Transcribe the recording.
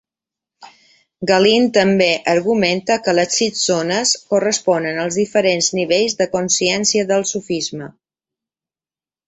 Galin també argumenta que les sis zones corresponen als diferents nivells de consciència del sufisme.